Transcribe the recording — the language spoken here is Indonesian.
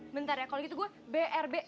bentar ya kalau gitu gue brb